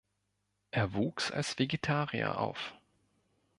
Er wuchs als Vegetarier auf.